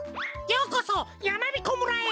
ようこそやまびこ村へ。